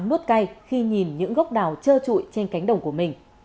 nút cay khi nhìn những gốc đào trơ trụi trên cánh đồng của mình